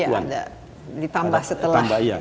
iya ada ditambah setelah